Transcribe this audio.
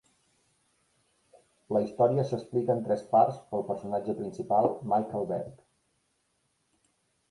La història s'explica en tres parts pel personatge principal, Michael Berg.